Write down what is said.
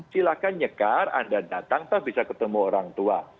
silahkan nyekar anda datang bisa ketemu orang tua